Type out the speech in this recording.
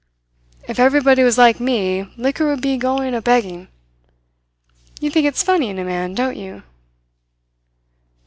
If everybody was like me, liquor would be going a begging. You think it's funny in a man, don't you?"